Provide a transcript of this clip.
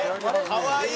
かわいい！